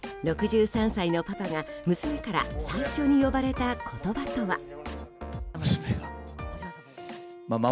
６３歳のパパが娘から最初に呼ばれた言葉とは。